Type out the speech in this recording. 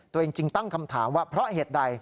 ตัวเองจึงตั้งคำถามว่าเพราะเหตุใด